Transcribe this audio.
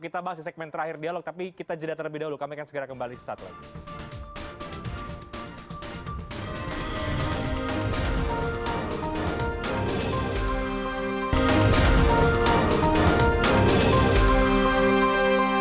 kita bahas di segmen terakhir dialog tapi kita jeda terlebih dahulu kami akan segera kembali sesaat lagi